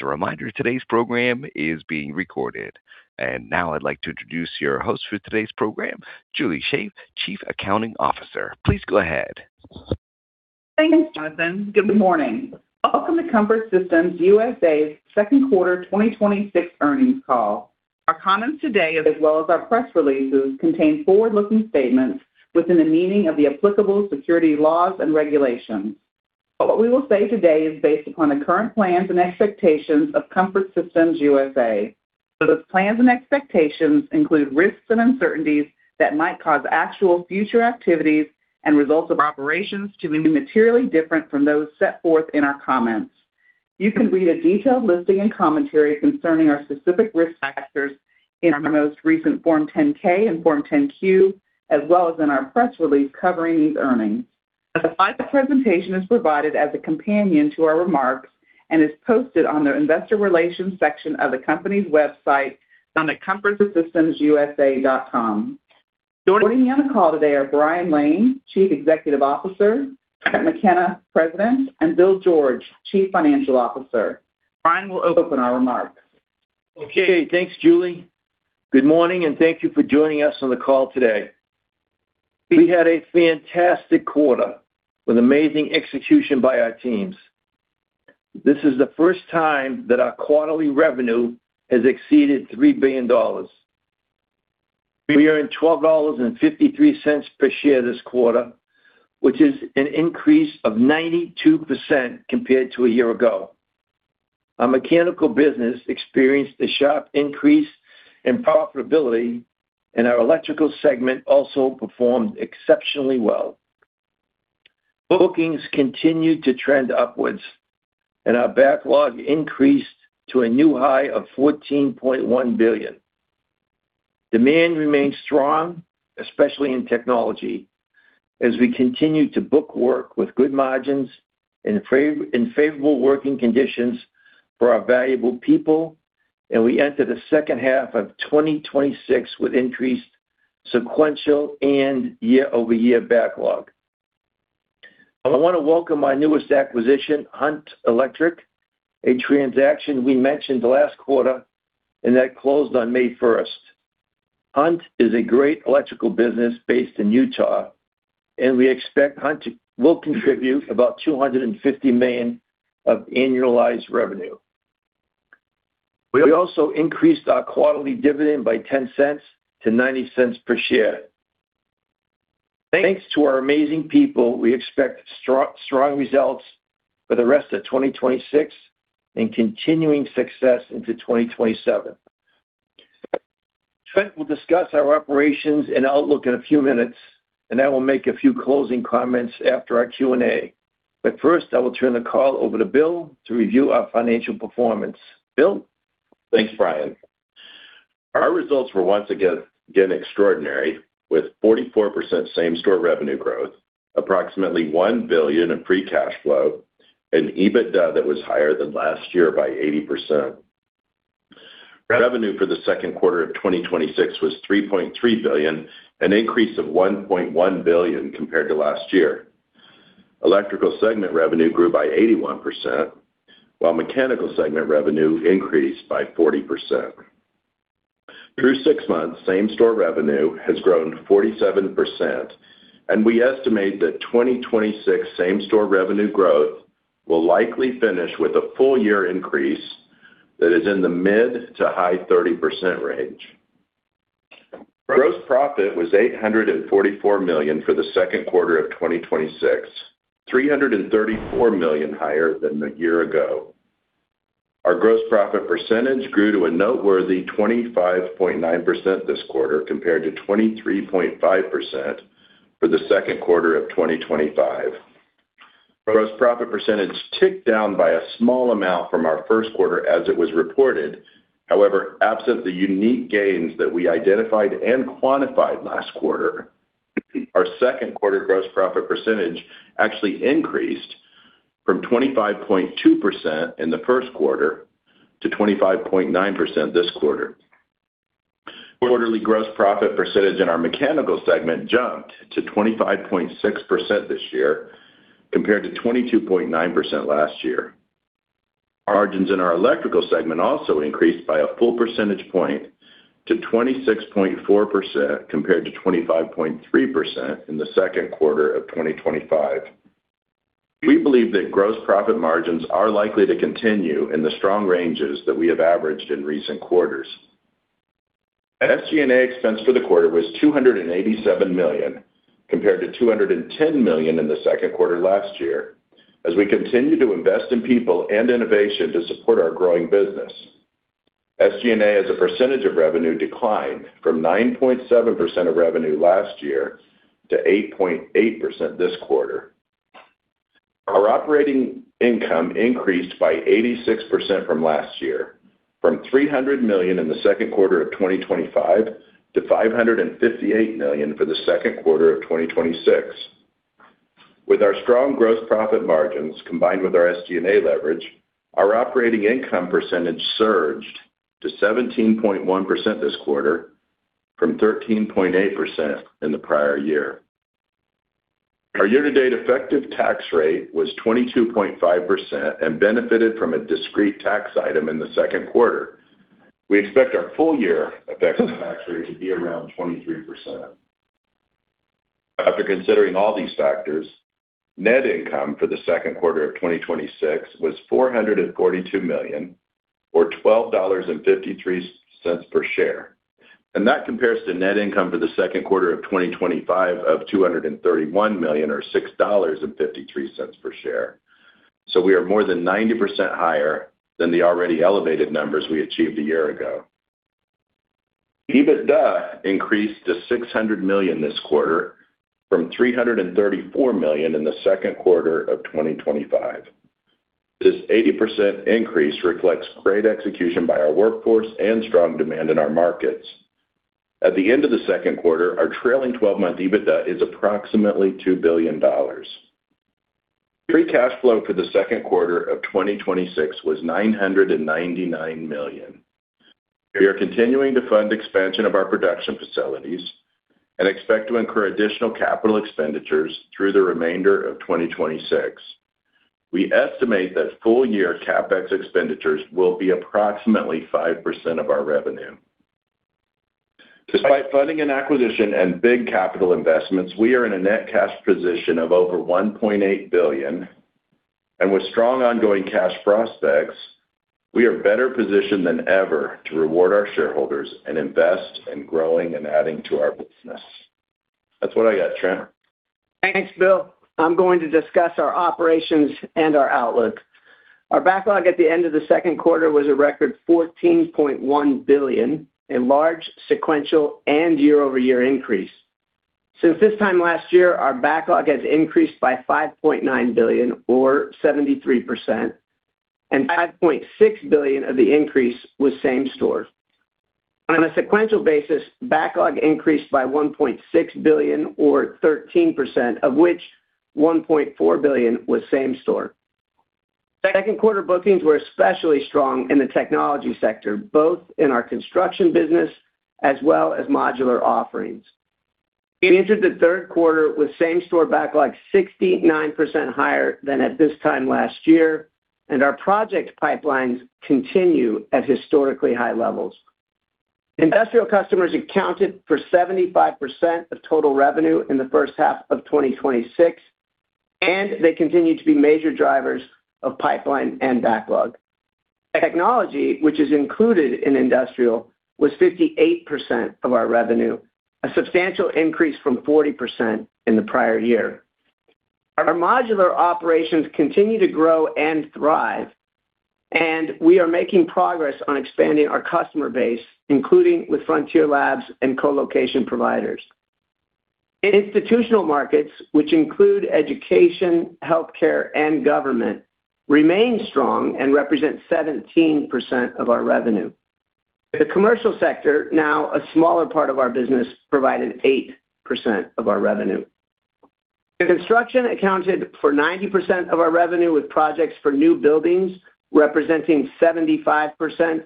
As a reminder, today's program is being recorded. Now I'd like to introduce your host for today's program, Julie Shaeff, Chief Accounting Officer. Please go ahead. Thanks, Jonathan. Good morning. Welcome to Comfort Systems USA's second quarter 2026 earnings call. Our comments today, as well as our press releases, contain forward-looking statements within the meaning of the applicable security laws and regulations. What we will say today is based upon the current plans and expectations of Comfort Systems USA. Those plans and expectations include risks and uncertainties that might cause actual future activities and results of operations to be materially different from those set forth in our comments. You can read a detailed listing and commentary concerning our specific risk factors in our most recent Form 10-K and Form 10-Q, as well as in our press release covering these earnings. A slide presentation is provided as a companion to our remarks and is posted on the Investor Relations section of the company's website down at comfortsystemsusa.com. Joining me on the call today are Brian Lane, Chief Executive Officer, Trent McKenna, President, and Bill George, Chief Financial Officer. Brian will open our remarks. Okay. Thanks, Julie. Good morning, and thank you for joining us on the call today. We had a fantastic quarter with amazing execution by our teams. This is the first time that our quarterly revenue has exceeded $3 billion. We earned $12.53 per share this quarter, which is an increase of 92% compared to a year ago. Our mechanical business experienced a sharp increase in profitability, and our electrical segment also performed exceptionally well. Bookings continued to trend upwards, and our backlog increased to a new high of $14.1 billion. Demand remains strong, especially in technology, as we continue to book work with good margins and favorable working conditions for our valuable people, and we enter the second half of 2026 with increased sequential and year-over-year backlog. I want to welcome our newest acquisition, Hunt Electric, a transaction we mentioned last quarter and that closed on May 1st. Hunt is a great electrical business based in Utah. We expect Hunt will contribute about $250 million of annualized revenue. We also increased our quarterly dividend by $0.10 to $0.90 per share. Thanks to our amazing people, we expect strong results for the rest of 2026 and continuing success into 2027. Trent will discuss our operations and outlook in a few minutes. I will make a few closing comments after our Q&A. First, I will turn the call over to Bill to review our financial performance. Bill? Thanks, Brian. Our results were once again extraordinary, with 44% same-store revenue growth, approximately $1 billion in free cash flow. EBITDA that was higher than last year by 80%. Revenue for the second quarter of 2026 was $3.3 billion, an increase of $1.1 billion compared to last year. Electrical segment revenue grew by 81%, while mechanical segment revenue increased by 40%. Through six months, same-store revenue has grown 47%. We estimate that 2026 same-store revenue growth will likely finish with a full-year increase that is in the mid- to high-30% range. Gross profit was $844 million for the second quarter of 2026, $334 million higher than a year ago. Our gross profit percentage grew to a noteworthy 25.9% this quarter, compared to 23.5% for the second quarter of 2025. Gross profit percentage ticked down by a small amount from our first quarter as it was reported. However, absent the unique gains that we identified and quantified last quarter, our second quarter gross profit percentage actually increased from 25.2% in the first quarter to 25.9% this quarter. Quarterly gross profit percentage in our mechanical segment jumped to 25.6% this year, compared to 22.9% last year. Margins in our electrical segment also increased by a full percentage point to 26.4%, compared to 25.3% in the second quarter of 2025. We believe that gross profit margins are likely to continue in the strong ranges that we have averaged in recent quarters. SG&A expense for the quarter was $287 million, compared to $210 million in the second quarter last year, as we continue to invest in people and innovation to support our growing business. SG&A, as a percentage of revenue, declined from 9.7% of revenue last year to 8.8% this quarter. Our operating income increased by 86% from last year, from $300 million in the second quarter of 2025 to $558 million for the second quarter of 2026. With our strong gross profit margins combined with our SG&A leverage, our operating income percentage surged to 17.1% this quarter from 13.8% in the prior year. Our year-to-date effective tax rate was 22.5% and benefited from a discrete tax item in the second quarter. We expect our full-year effective tax rate to be around 23%. After considering all these factors, net income for the second quarter of 2026 was $442 million, or $12.53 per share. That compares to net income for the second quarter of 2025 of $231 million, or $6.53 per share. We are more than 90% higher than the already elevated numbers we achieved a year ago. EBITDA increased to $600 million this quarter from $334 million in the second quarter of 2025. This 80% increase reflects great execution by our workforce and strong demand in our markets. At the end of the second quarter, our trailing 12-month EBITDA is approximately $2 billion. Free cash flow for the second quarter of 2026 was $999 million. We are continuing to fund expansion of our production facilities and expect to incur additional capital expenditures through the remainder of 2026. We estimate that full-year CapEx expenditures will be approximately 5% of our revenue. Despite funding an acquisition and big capital investments, we are in a net cash position of over $1.8 billion, and with strong ongoing cash prospects, we are better positioned than ever to reward our shareholders and invest in growing and adding to our business. That's what I got. Trent? Thanks, Bill. I'm going to discuss our operations and our outlook. Our backlog at the end of the second quarter was a record $14.1 billion, a large sequential and year-over-year increase. Since this time last year, our backlog has increased by $5.9 billion or 73%, and $5.6 billion of the increase was same-store. On a sequential basis, backlog increased by $1.6 billion or 13%, of which $1.4 billion was same-store. Second quarter bookings were especially strong in the technology sector, both in our construction business as well as modular offerings. We entered the third quarter with same-store backlog 69% higher than at this time last year, and our project pipelines continue at historically high levels. Industrial customers accounted for 75% of total revenue in the first half of 2026, and they continue to be major drivers of pipeline and backlog. Technology, which is included in industrial, was 58% of our revenue, a substantial increase from 40% in the prior year. Our modular operations continue to grow and thrive, and we are making progress on expanding our customer base, including with frontier labs and co-location providers. Institutional markets, which include education, healthcare, and government, remain strong and represent 17% of our revenue. The commercial sector, now a smaller part of our business, provided 8% of our revenue. The construction accounted for 90% of our revenue, with projects for new buildings representing 75%,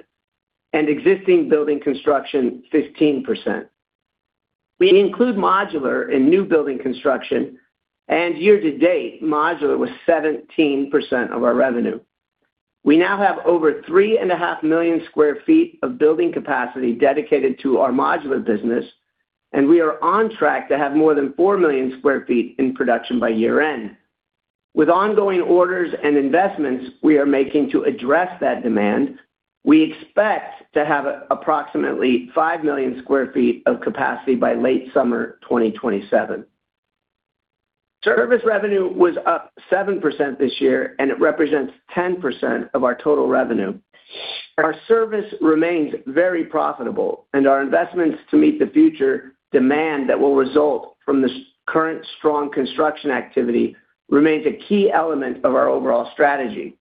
and existing building construction 15%. We include modular in new building construction, and year-to-date, modular was 17% of our revenue. We now have over 3.5 million sq ft of building capacity dedicated to our modular business, and we are on track to have more than 4 million sq ft in production by year-end. With ongoing orders and investments we are making to address that demand, we expect to have approximately 5 million sq ft of capacity by late summer 2027. Service revenue was up 7% this year, and it represents 10% of our total revenue. Our service remains very profitable, and our investments to meet the future demand that will result from the current strong construction activity remains a key element of our overall strategy.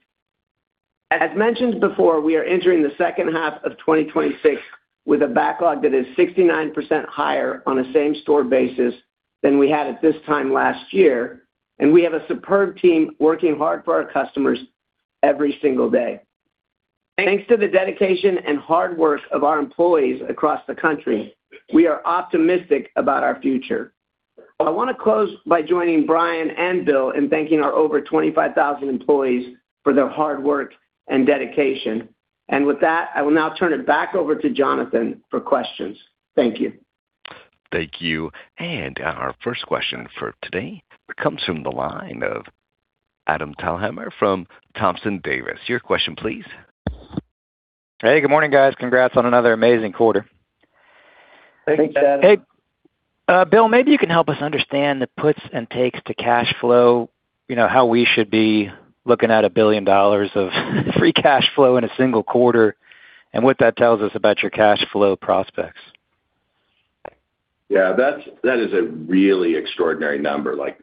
As mentioned before, we are entering the second half of 2026 with a backlog that is 69% higher on a same-store basis than we had at this time last year, and we have a superb team working hard for our customers every single day. Thanks to the dedication and hard work of our employees across the country, we are optimistic about our future. I want to close by joining Brian and Bill in thanking our over 25,000 employees for their hard work and dedication. With that, I will now turn it back over to Jonathan for questions. Thank you. Thank you. Our first question for today comes from the line of Adam Thalhimer from Thompson Davis. Your question please. Hey, good morning, guys. Congrats on another amazing quarter. Thanks, Adam. Hey, Bill, maybe you can help us understand the puts and takes to cash flow, how we should be looking at $1 billion of free cash flow in a single quarter, and what that tells us about your cash flow prospects? Yeah, that is a really extraordinary number, like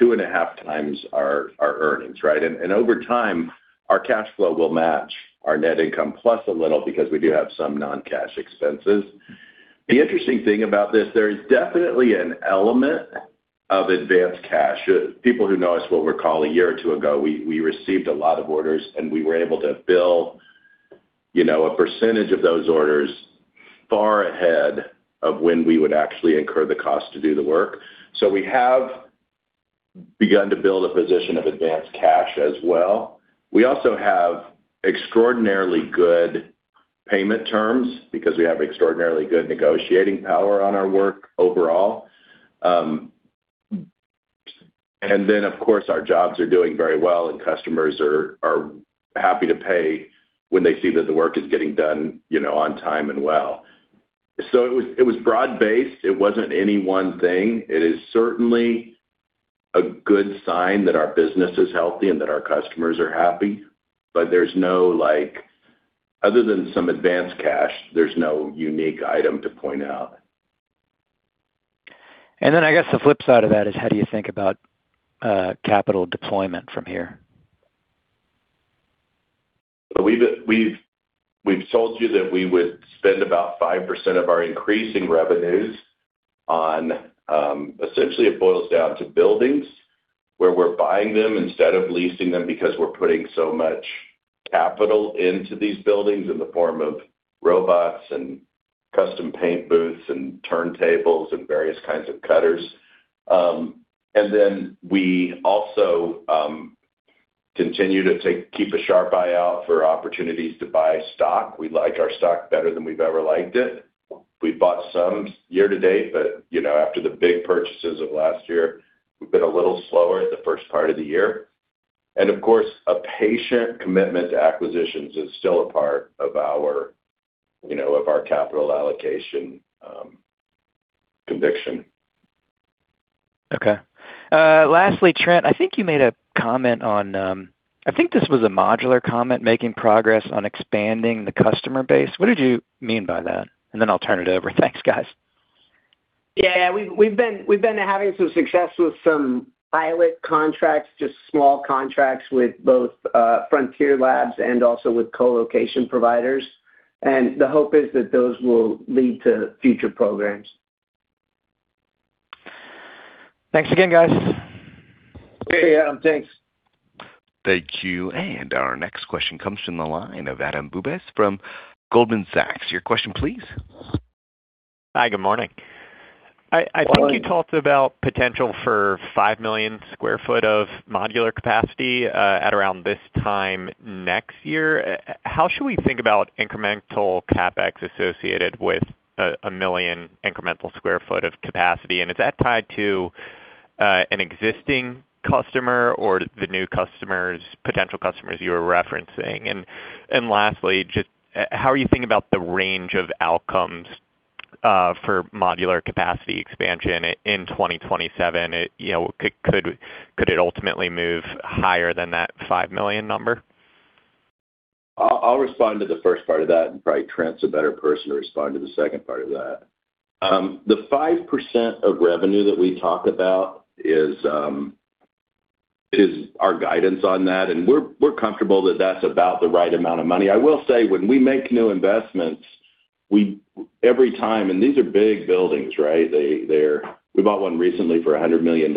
2.5x our earnings, right? Over time, our cash flow will match our net income, plus a little because we do have some non-cash expenses. The interesting thing about this, there is definitely an element of advanced cash. People who know us will recall a year or two ago, we received a lot of orders, and we were able to build a percentage of those orders far ahead of when we would actually incur the cost to do the work. We have begun to build a position of advanced cash as well. We also have extraordinarily good payment terms because we have extraordinarily good negotiating power on our work overall. Of course, our jobs are doing very well, and customers are happy to pay when they see that the work is getting done on time and well. It was broad-based. It wasn't any one thing. It is certainly a good sign that our business is healthy and that our customers are happy. Other than some advanced cash, there's no unique item to point out. I guess the flip side of that is how do you think about capital deployment from here? We've told you that we would spend about 5% of our increasing revenues on, essentially it boils down to buildings, where we're buying them instead of leasing them because we're putting so much capital into these buildings in the form of robots and custom paint booths and turntables and various kinds of cutters. Then we also continue to keep a sharp eye out for opportunities to buy stock. We like our stock better than we've ever liked it. We bought some year-to-date, but after the big purchases of last year, we've been a little slower the first part of the year. Of course, a patient commitment to acquisitions is still a part of our capital allocation conviction. Okay. Lastly, Trent, I think you made a comment on, I think this was a modular comment, making progress on expanding the customer base. What did you mean by that? Then I'll turn it over. Thanks, guys. Yeah. We've been having some success with some pilot contracts, just small contracts with both frontier labs and also with co-location providers. The hope is that those will lead to future programs. Thanks again, guys. Hey, Adam. Thanks. Thank you. Our next question comes from the line of Adam Bubes from Goldman Sachs. Your question, please. Hi, good morning. Good morning. I think you talked about potential for 5 million sq ft of modular capacity at around this time next year. How should we think about incremental CapEx associated with a million incremental square foot of capacity? Is that tied to an existing customer or the new potential customers you were referencing? Lastly, just how are you thinking about the range of outcomes for modular capacity expansion in 2027? Could it ultimately move higher than that 5 million sq ft number? I'll respond to the first part of that, and probably Trent's a better person to respond to the second part of that. The 5% of revenue that we talk about is our guidance on that, and we're comfortable that that's about the right amount of money. I will say, when we make new investments, every time, and these are big buildings. We bought one recently for $100 million.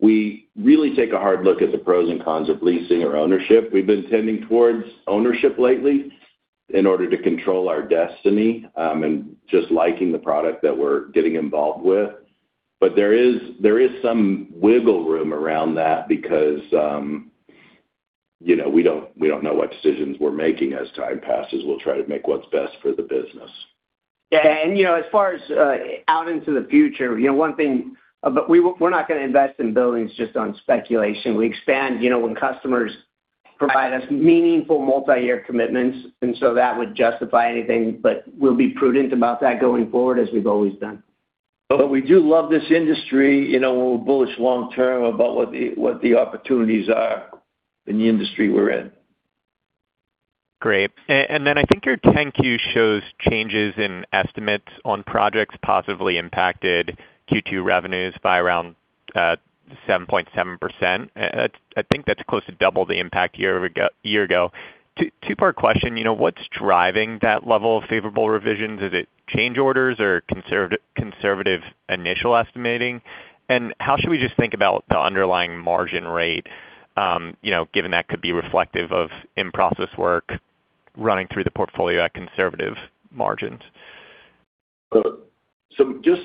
We really take a hard look at the pros and cons of leasing or ownership. We've been tending towards ownership lately in order to control our destiny, and just liking the product that we're getting involved with. There is some wiggle room around that because we don't know what decisions we're making as time passes. We'll try to make what's best for the business. Yeah. As far as out into the future, one thing, we're not going to invest in buildings just on speculation. We expand when customers provide us meaningful multi-year commitments, that would justify anything. We'll be prudent about that going forward as we've always done. We do love this industry. We're bullish long term about what the opportunities are in the industry we're in. Great. I think your Form 10-Q shows changes in estimates on projects positively impacted Q2 revenues by around 7.7%. I think that's close to double the impact a year ago. Two-part question. What's driving that level of favorable revisions? Is it change orders or conservative initial estimating? How should we just think about the underlying margin rate, given that could be reflective of in-process work running through the portfolio at conservative margins? Just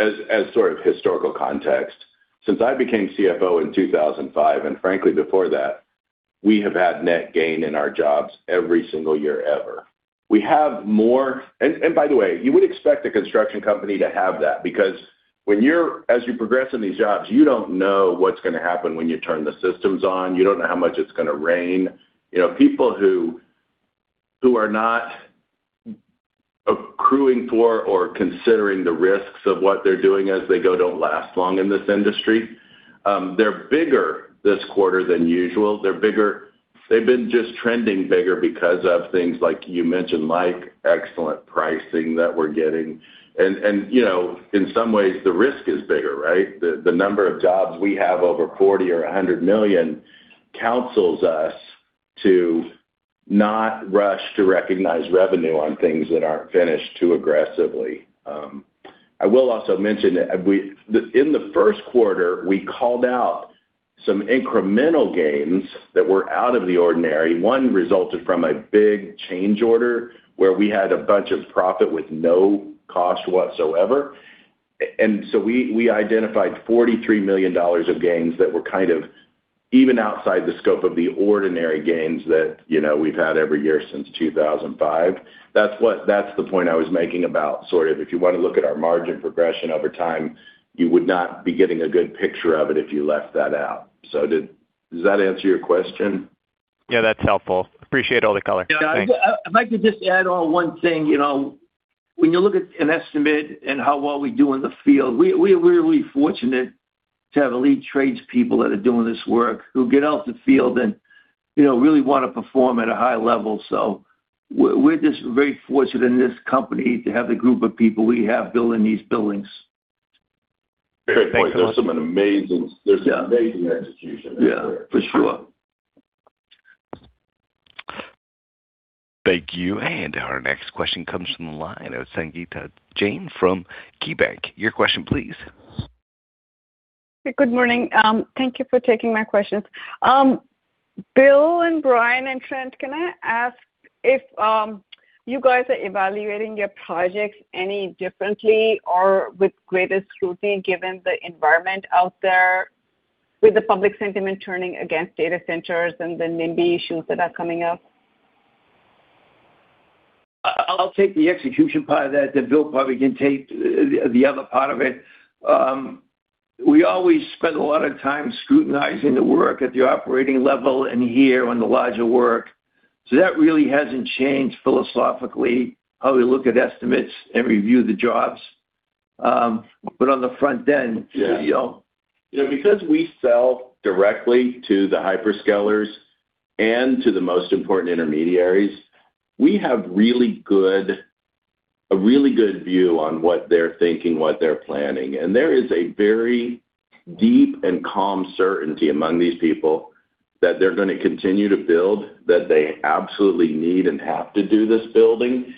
as sort of historical context, since I became CFO in 2005, and frankly before that, we have had net gain in our jobs every single year ever. By the way, you would expect a construction company to have that because as you progress in these jobs, you don't know what's going to happen when you turn the systems on. You don't know how much it's going to rain. People who are not accruing for or considering the risks of what they're doing as they go don't last long in this industry. They're bigger this quarter than usual. They've been just trending bigger because of things like you mentioned, like excellent pricing that we're getting. In some ways, the risk is bigger. The number of jobs we have over $40 million or $100 million counsels us to not rush to recognize revenue on things that aren't finished too aggressively. I will also mention that in the first quarter, we called out some incremental gains that were out of the ordinary. One resulted from a big change order where we had a bunch of profit with no cost whatsoever. We identified $43 million of gains that were kind of even outside the scope of the ordinary gains that we've had every year since 2005. That's the point I was making about sort of if you want to look at our margin progression over time, you would not be getting a good picture of it if you left that out. Does that answer your question? Yeah, that's helpful. Appreciate all the color. Yeah. I'd like to just add on one thing. When you look at an estimate and how well we do in the field, we're really fortunate to have elite trades people that are doing this work, who get out in the field and really want to perform at a high level. We're just very fortunate in this company to have the group of people we have building these buildings. Great point. There's some amazing execution. Yeah. For sure. Thank you. Our next question comes from the line of Sangita Jain from KeyBank. Your question please. Good morning. Thank you for taking my questions. Bill and Brian and Trent, can I ask if you guys are evaluating your projects any differently or with greater scrutiny given the environment out there with the public sentiment turning against data centers and the NIMBY issues that are coming up? I'll take the execution part of that, then Bill probably can take the other part of it. We always spend a lot of time scrutinizing the work at the operating level and here on the larger work. That really hasn't changed philosophically, how we look at estimates and review the jobs. On the front-end. Yeah you know. Because we sell directly to the hyperscalers and to the most important intermediaries, we have a really good view on what they're thinking, what they're planning. There is a very deep and calm certainty among these people that they're going to continue to build, that they absolutely need and have to do this building.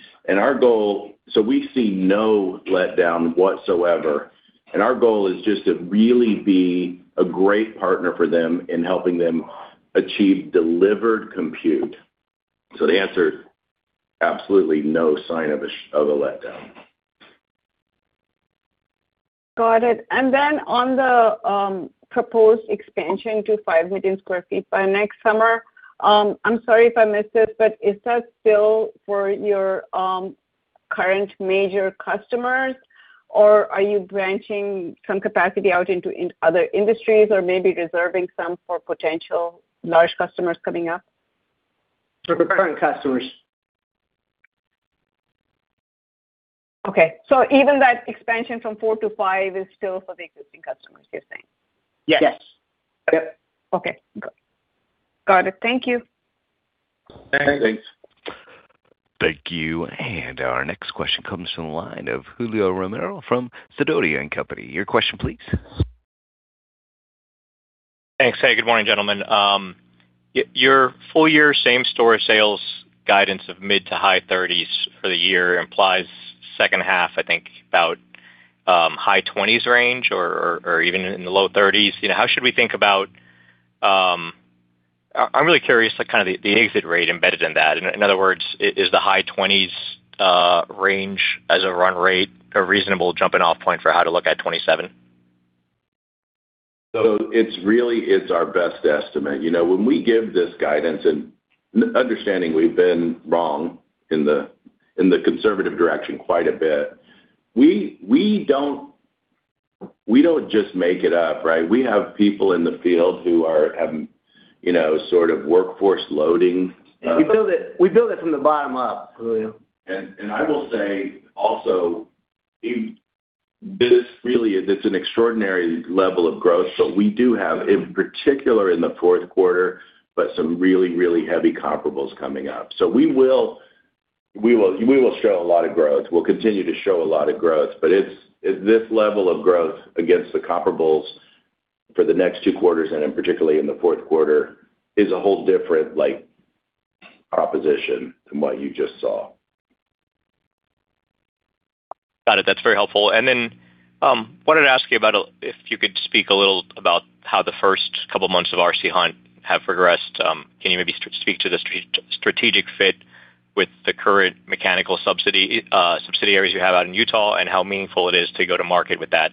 We see no letdown whatsoever. Our goal is just to really be a great partner for them in helping them achieve delivered compute. The answer, absolutely no sign of a letdown. Got it. On the proposed expansion to 5 million sq ft by next summer, I'm sorry if I missed it, but is that still for your current major customers, or are you branching some capacity out into other industries or maybe reserving some for potential large customers coming up? For current customers. Okay. Even that expansion from 4 million sq ft to 5 million sq ft is still for the existing customers, you're saying? Yes. Yes. Yep. Okay. Got it. Thank you. Thanks. Thank you. Our next question comes from the line of Julio Romero from Sidoti & Company. Your question please. Thanks. Hey, good morning, gentlemen. Your full-year same-store sales guidance of mid-to-high 30s for the year implies second-half, I think, about high 20s range or even in the low 30s. I'm really curious the exit rate embedded in that. In other words, is the high 20s range as a run-rate a reasonable jumping-off point for how to look at 2027? It's our best estimate. When we give this guidance, and understanding we've been wrong in the conservative direction quite a bit, we don't just make it up, right? We have people in the field who have sort of workforce loading. We build it from the bottom up, Julio. I will say also, this really is an extraordinary level of growth. We do have, in particular in the fourth quarter, but some really heavy comparables coming up. We will show a lot of growth. We'll continue to show a lot of growth, but this level of growth against the comparables for the next two quarters and in particular in the fourth quarter is a whole different proposition than what you just saw. Got it. That's very helpful. Then, wanted to ask you about if you could speak a little about how the first couple of months of R.C. Hunt have progressed. Can you maybe speak to the strategic fit with the current mechanical subsidiaries you have out in Utah and how meaningful it is to go to market with that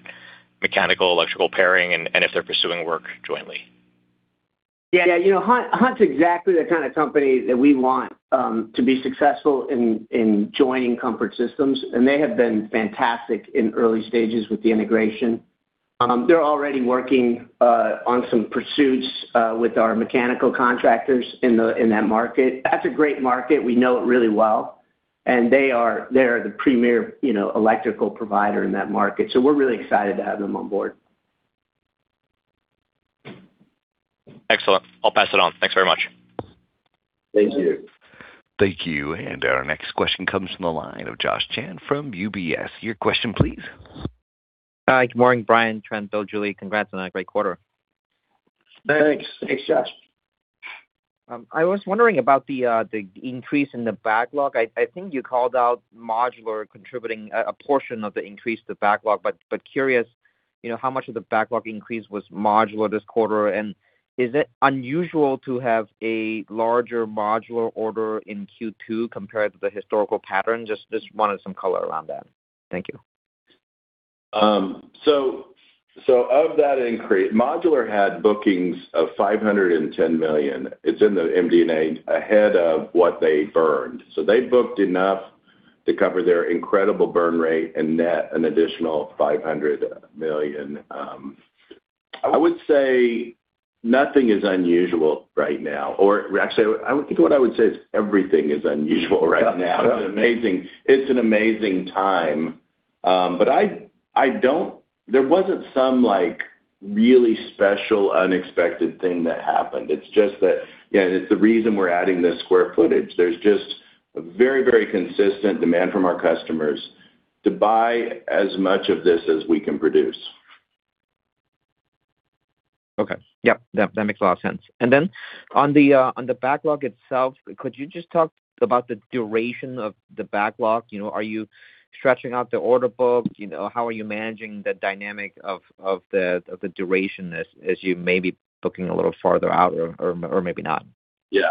mechanical electrical pairing and if they're pursuing work jointly? Yeah. Hunt's exactly the kind of company that we want to be successful in joining Comfort Systems, they have been fantastic in early stages with the integration. They're already working on some pursuits with our mechanical contractors in that market. That's a great market. We know it really well. They are the premier electrical provider in that market. We're really excited to have them on board. Excellent. I'll pass it on. Thanks very much. Thank you. Thank you. Our next question comes from the line of Josh Chan from UBS. Your question please. Hi. Good morning Brian, Trent, Bill, Julie, congrats on a great quarter. Thanks. Thanks, Josh. I was wondering about the increase in the backlog. I think you called out modular contributing a portion of the increase to the backlog, curious, how much of the backlog increase was modular this quarter, and is it unusual to have a larger modular order in Q2 compared to the historical pattern? Just wanted some color around that. Thank you. Of that increase, modular had bookings of $510 million. It's in the MD&A ahead of what they burned. They booked enough to cover their incredible burn rate and net an additional $500 million. I would say nothing is unusual right now. Actually, I think what I would say is everything is unusual right now. It's an amazing time. There wasn't some really special, unexpected thing that happened. It's just that, again, it's the reason we're adding this square footage. There's just a very consistent demand from our customers to buy as much of this as we can produce. Okay. Yep. That makes a lot of sense. On the backlog itself, could you just talk about the duration of the backlog? Are you stretching out the order book? How are you managing the dynamic of the duration as you may be booking a little farther out or maybe not? Yeah.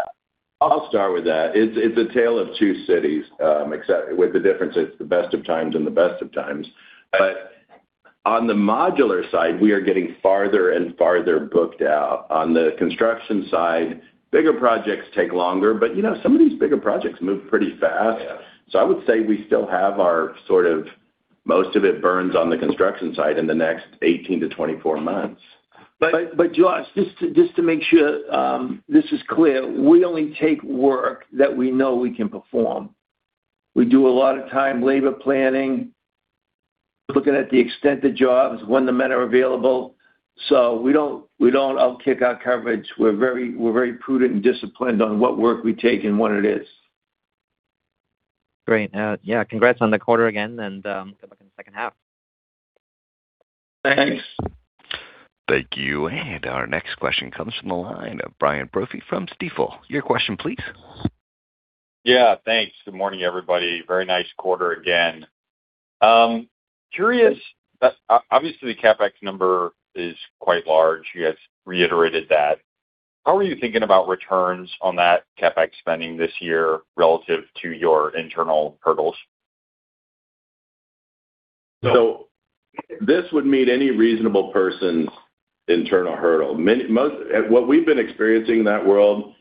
I'll start with that. It's a tale of two cities, except with the difference it's the best of times and the best of times. On the modular side, we are getting farther and farther booked out. On the construction side, bigger projects take longer, some of these bigger projects move pretty fast. Yeah. I would say we still have our sort of, most of it burns on the construction side in the next 18 to 24 months. Josh, just to make sure this is clear, we only take work that we know we can perform. We do a lot of time labor planning, looking at the extent of jobs, when the men are available. We don't out-kick our coverage. We're very prudent and disciplined on what work we take and what it is. Great. Yeah, congrats on the quarter again and good luck on the second half. Thanks. Thanks. Thank you. Our next question comes from the line of Brian Brophy from Stifel. Your question, please. Yeah, thanks. Good morning, everybody. Very nice quarter again. Curious, obviously the CapEx number is quite large. You guys reiterated that. How are you thinking about returns on that CapEx spending this year relative to your internal hurdles? This would meet any reasonable person's internal hurdle. What we've been experiencing in that world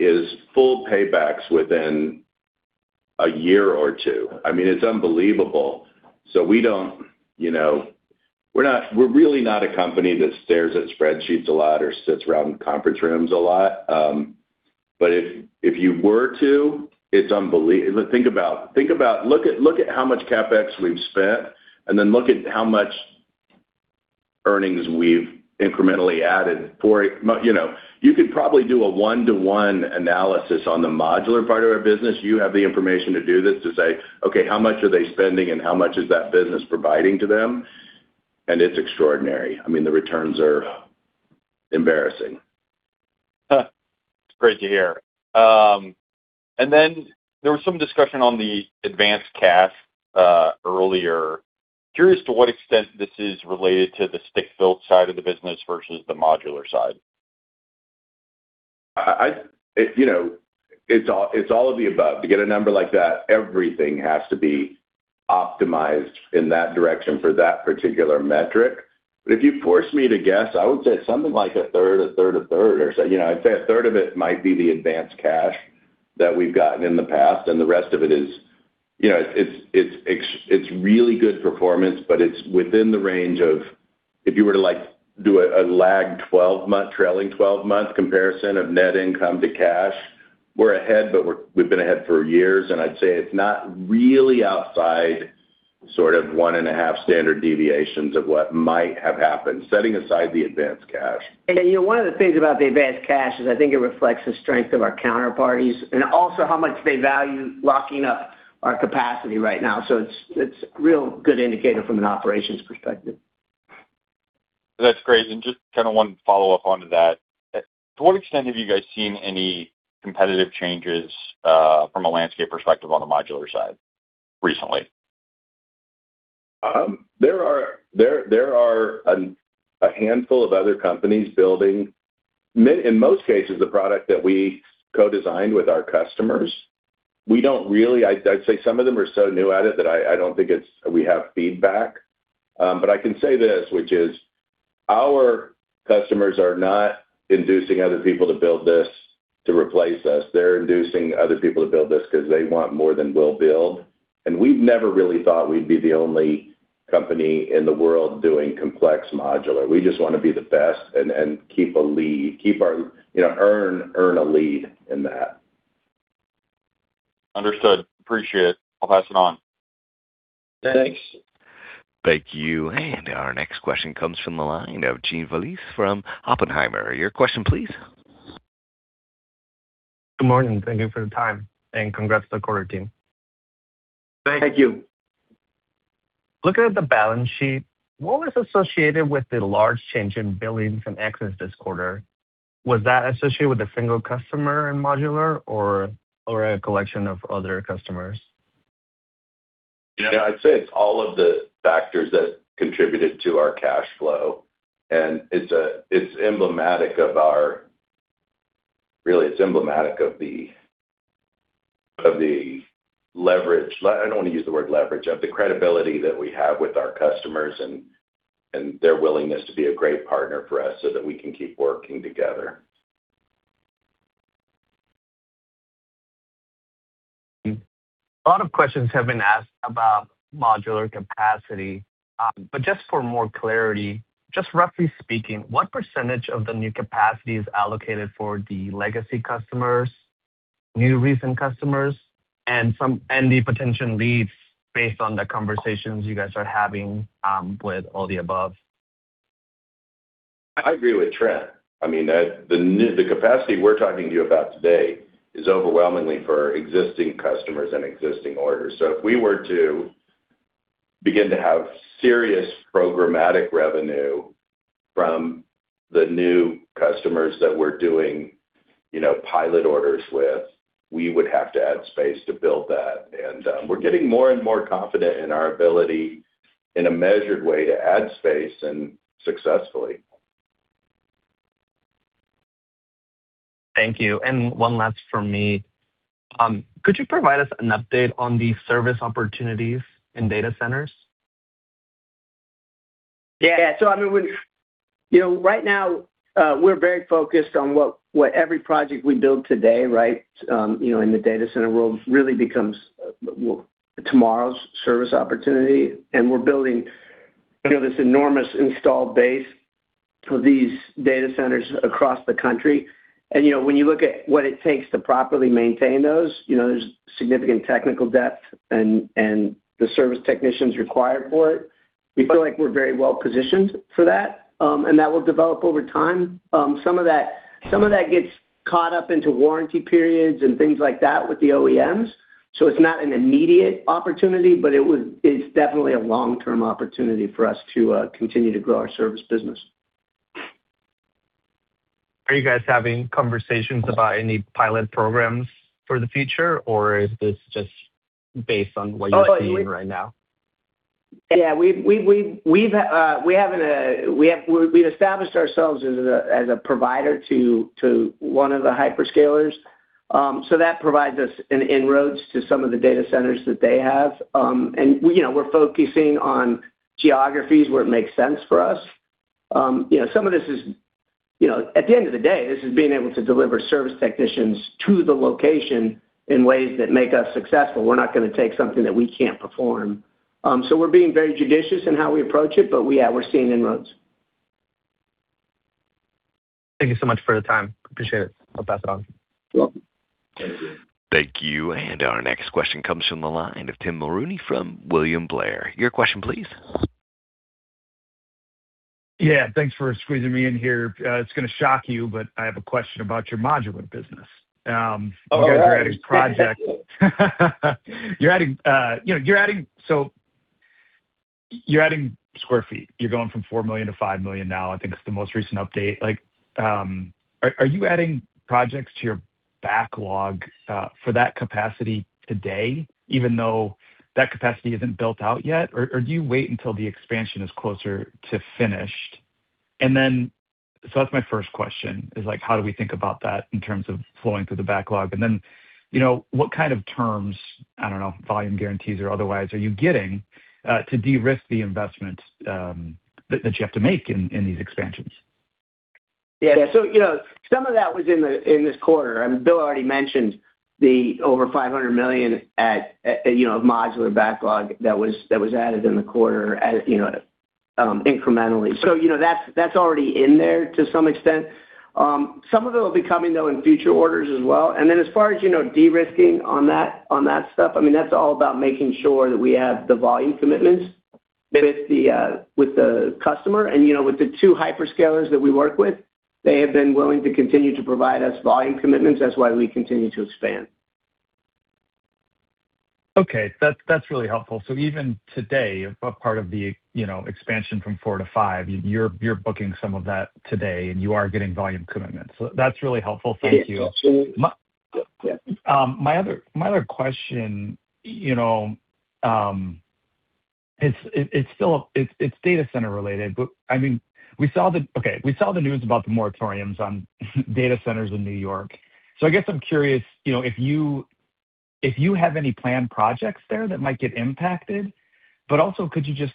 is full paybacks within a year or two. It's unbelievable. We're really not a company that stares at spreadsheets a lot or sits around conference rooms a lot. If you were to, it's unbelievable. Look at how much CapEx we've spent, and then look at how much earnings we've incrementally added for it. You could probably do a one-to-one analysis on the modular part of our business. You have the information to do this, to say, okay, how much are they spending and how much is that business providing to them? It's extraordinary. The returns are embarrassing. That's great to hear. There was some discussion on the advanced cash, earlier. Curious to what extent this is related to the stick-built side of the business versus the modular side. It's all of the above. To get a number like that, everything has to be optimized in that direction for that particular metric. If you force me to guess, I would say something like a third, a third, a third, or say, I'd say a third of it might be the advanced cash that we've gotten in the past, and the rest of it is really good performance, but it's within the range of, if you were to do a lagged 12-month, trailing 12-month comparison of net income to cash, we're ahead, but we've been ahead for years, and I'd say it's not really outside sort of one and a half standard deviations of what might have happened, setting aside the advanced cash. One of the things about the advanced cash is I think it reflects the strength of our counterparties and also how much they value locking up our capacity right now. It's real good indicator from an operations perspective. That's great, just one follow-up onto that. To what extent have you guys seen any competitive changes from a landscape perspective on the modular side recently? There are a handful of other companies building, in most cases, a product that we co-designed with our customers. We don't really, I'd say some of them are so new at it that I don't think we have feedback. I can say this, which is our customers are not inducing other people to build this to replace us. They're inducing other people to build this because they want more than we'll build. We've never really thought we'd be the only company in the world doing complex modular. We just want to be the best and keep a lead, earn a lead in that. Understood. Appreciate it. I'll pass it on. Thanks. Thanks. Thank you. Our next question comes from the line of [Gene Vallese] from Oppenheimer. Your question, please. Good morning. Thank you for the time, and congrats on the quarter, team. Thank you. Looking at the balance sheet, what was associated with the large change in billings from excess this quarter? Was that associated with a single customer in modular or a collection of other customers? Yeah. I'd say it's all of the factors that contributed to our cash flow, and really, it's emblematic of the leverage. I don't want to use the word leverage. Of the credibility that we have with our customers and their willingness to be a great partner for us so that we can keep working together. A lot of questions have been asked about modular capacity. Just for more clarity, just roughly speaking, what percentage of the new capacity is allocated for the legacy customers, new recent customers, and the potential leads based on the conversations you guys are having with all the above? I agree with Trent. The capacity we're talking to you about today is overwhelmingly for existing customers and existing orders. If we were to begin to have serious programmatic revenue from the new customers that we're doing pilot orders with, we would have to add space to build that. We're getting more and more confident in our ability, in a measured way, to add space and successfully. Thank you. One last from me. Could you provide us an update on the service opportunities in data centers? Right now, we're very focused on what every project we build today, in the data center world, really becomes tomorrow's service opportunity. We're building this enormous installed base of these data centers across the country. When you look at what it takes to properly maintain those, there's significant technical depth and the service technicians required for it. We feel like we're very well positioned for that, and that will develop over time. Some of that gets caught up into warranty periods and things like that with the OEMs. It's not an immediate opportunity, but it's definitely a long-term opportunity for us to continue to grow our service business. Are you guys having conversations about any pilot programs for the future, or is this just based on what you're seeing right now? We've established ourselves as a provider to one of the hyperscalers. That provides us inroads to some of the data centers that they have. We're focusing on geographies where it makes sense for us. At the end of the day, this is being able to deliver service technicians to the location in ways that make us successful. We're not going to take something that we can't perform. We're being very judicious in how we approach it. We're seeing inroads. Thank you so much for the time. Appreciate it. I'll pass it on. Welcome. Thank you. Thank you. Our next question comes from the line of Tim Mulrooney from William Blair. Your question, please. Yeah. Thanks for squeezing me in here. It's going to shock you, but I have a question about your modular business. All right. You're adding square feet. You're going from 4 million sq ft to 5 million sq ft now, I think, is the most recent update. Are you adding projects to your backlog for that capacity today, even though that capacity isn't built out yet? Or do you wait until the expansion is closer to finished? That's my first question, is how do we think about that in terms of flowing through the backlog? Then, what kind of terms, I don't know, volume guarantees or otherwise, are you getting to de-risk the investment that you have to make in these expansions? Yeah. Some of that was in this quarter. Bill already mentioned the over $500 million of modular backlog that was added in the quarter incrementally. That's already in there to some extent. Some of it will be coming, though, in future orders as well. Then as far as de-risking on that stuff, that's all about making sure that we have the volume commitments with the customer. With the two hyperscalers that we work with, they have been willing to continue to provide us volume commitments. That's why we continue to expand. Okay. That's really helpful. Even today, a part of the expansion from 4 million sq ft to 5 million sq ft, you're booking some of that today and you are getting volume commitments. That's really helpful. Thank you. Yeah. My other question, it's data center related. We saw the news about the moratoriums on data centers in New York. I guess I'm curious if you have any planned projects there that might get impacted. Also, could you just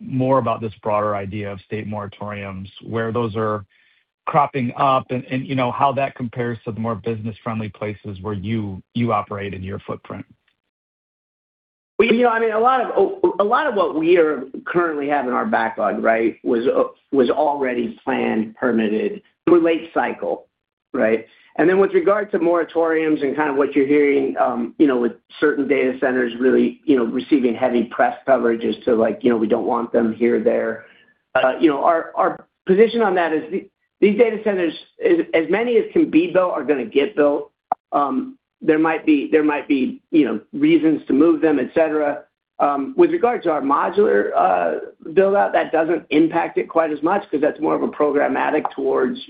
talk more about this broader idea of state moratoriums, where those are cropping up and how that compares to the more business-friendly places where you operate in your footprint? A lot of what we currently have in our backlog was already planned, permitted. We're late cycle. With regard to moratoriums and what you're hearing with certain data centers really receiving heavy press coverage as to we don't want them here, there. Our position on that is these data centers, as many as can be built, are going to get built. There might be reasons to move them, et cetera. With regard to our modular build-out, that doesn't impact it quite as much because that's more of a programmatic towards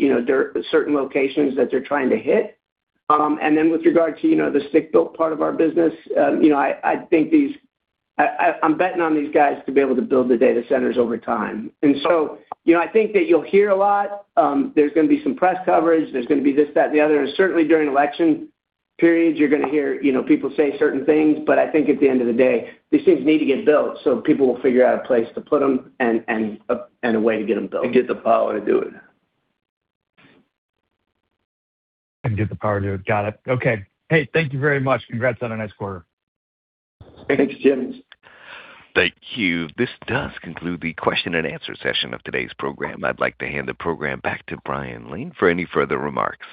certain locations that they're trying to hit. With regard to the stick-built part of our business, I'm betting on these guys to be able to build the data centers over time. I think that you'll hear a lot. There's going to be some press coverage. There's going to be this, that, and the other. Certainly during election periods, you're going to hear people say certain things. I think at the end of the day, these things need to get built, so people will figure out a place to put them and a way to get them built. Get the power to do it. Get the power to do it. Got it. Okay. Hey, thank you very much. Congrats on a nice quarter. Thanks, Tim. Thank you. This does conclude the question-and-answer session of today's program. I'd like to hand the program back to Brian Lane for any further remarks.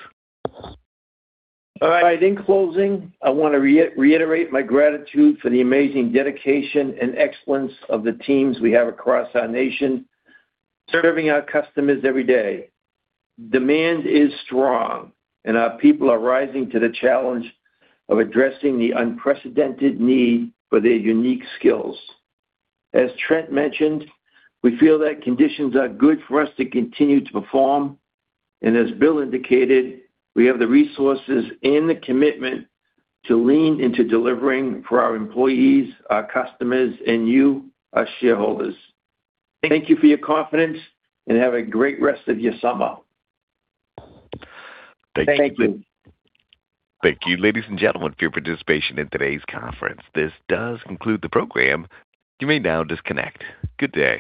All right. In closing, I want to reiterate my gratitude for the amazing dedication and excellence of the teams we have across our nation, serving our customers every day. Demand is strong, and our people are rising to the challenge of addressing the unprecedented need for their unique skills. As Trent mentioned, we feel that conditions are good for us to continue to perform, and as Bill indicated, we have the resources and the commitment to lean into delivering for our employees, our customers, and you, our shareholders. Thank you for your confidence, and have a great rest of your summer. Thank you. Thank you. Thank you, ladies and gentlemen, for your participation in today's conference. This does conclude the program. You may now disconnect. Good day